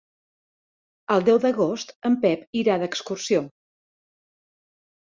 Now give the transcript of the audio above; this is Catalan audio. El deu d'agost en Pep irà d'excursió.